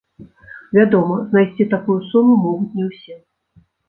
Вядома, знайсці такую суму могуць не ўсе.